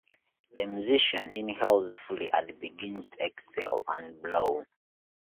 The musician inhales fully and begins to exhale and blow.